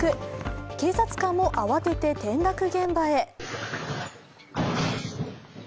警察官も慌てて転落現場へ。